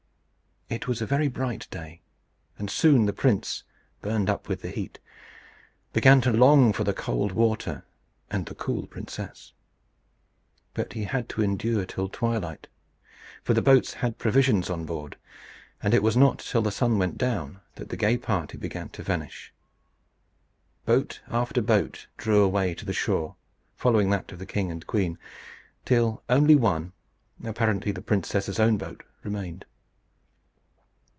It was a very bright day, and soon the prince, burned up with the heat, began to long for the cold water and the cool princess. But he had to endure till twilight; for the boats had provisions on board, and it was not till the sun went down that the gay party began to vanish. Boat after boat drew away to the shore, following that of the king and queen, till only one, apparently the princess's own boat, remained.